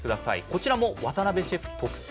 こちらも渡邊シェフ特製